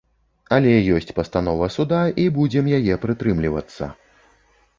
Але ёсць пастанова суда, і будзем яе прытрымлівацца.